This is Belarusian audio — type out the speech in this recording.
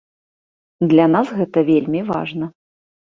Для нас гэта вельмі важна.